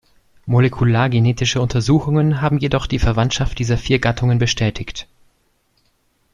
Molekulargenetische Untersuchungen haben jedoch die Verwandtschaft dieser vier Gattungen bestätigt.